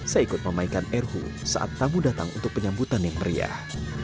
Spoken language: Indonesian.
saya ikut memaikan erhu saat tamu datang untuk penyambutan yang meriah